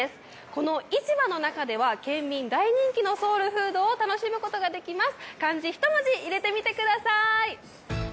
この市場の中では県民大人気のソウルフードを楽しむことができます。